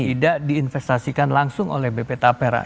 tidak diinvestasikan langsung oleh bp tapera